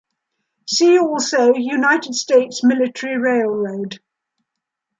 See also United States Military Railroad.